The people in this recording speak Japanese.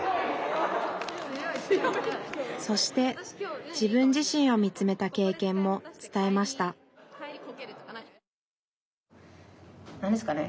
そして自分自身を見つめた経験も伝えました何ですかね